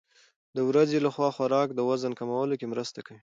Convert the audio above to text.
د ورځې لخوا خوراک د وزن کمولو کې مرسته کوي.